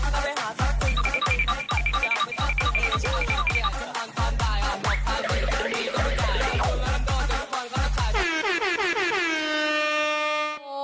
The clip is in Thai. โถ่